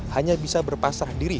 hanya bisa berpasrah diri